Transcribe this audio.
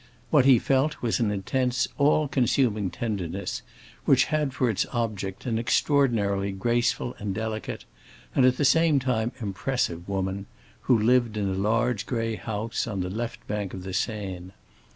What he felt was an intense, all consuming tenderness, which had for its object an extraordinarily graceful and delicate, and at the same time impressive, woman who lived in a large gray house on the left bank of the Seine.